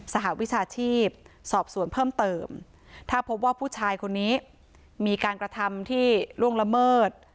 หวิชาชีพสอบสวนเพิ่มเติมถ้าพบว่าผู้ชายคนนี้มีการกระทำที่ล่วงละเมิด